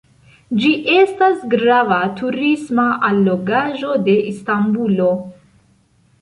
Ĝi estas grava turisma allogaĵo de Istanbulo.